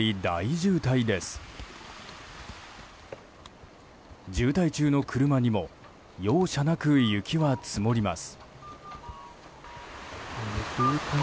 渋滞中の車にも容赦なく雪は積もります。